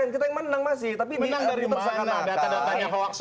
kita yang menang masih tapi di butersakanakan